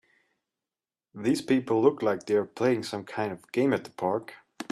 These people look like they are playing some kind of game at the park.